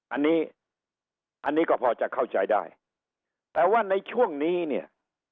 อันนี้อันนี้ก็พอจะเข้าใจได้แต่ว่าในช่วงนี้เนี่ย